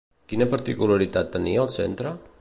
Quina particularitat tenia el centre?